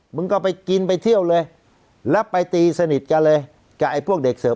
มึงก็ไปกินไปเที่ยวเลยแล้วไปตีสนิทกันเลยกับไอ้พวกเด็กเสิร์ฟ